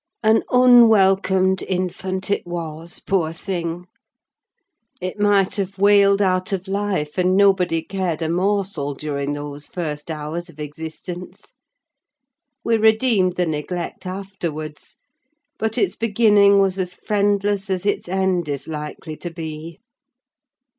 An unwelcomed infant it was, poor thing! It might have wailed out of life, and nobody cared a morsel, during those first hours of existence. We redeemed the neglect afterwards; but its beginning was as friendless as its end is likely to be.